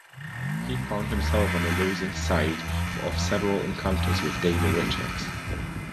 He found himself on the losing side of several encounters with Davey Richards.